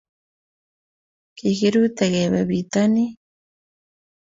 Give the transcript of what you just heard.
kikirute kebe bitonin